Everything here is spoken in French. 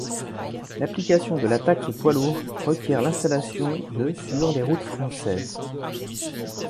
L'application de la taxe poids lourds requiert l'installation de sur les routes françaises.